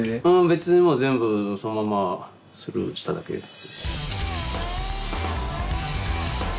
別にもう全部そのままスルーしただけです。